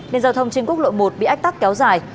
nên giao thông trên quốc lộ một bị ách tắc kéo dài